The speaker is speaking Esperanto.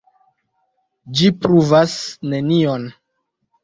Ĝi pruvas nenion.